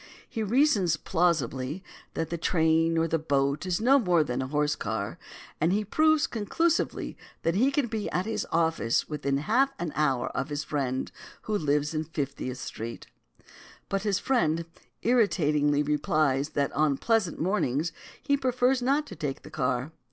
He reasons plausibly that the train or the boat is no more than the horse car, and he proves conclusively that he can be at his office within half an hour of his friend who lives in Fiftieth Street. But his friend irritatingly replies that on pleasant mornings he prefers not to take the car.